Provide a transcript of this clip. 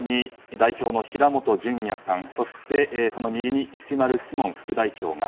中央に代表の平本淳也さんそして、その右に石丸志門副代表が。